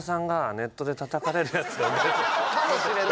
かもしれない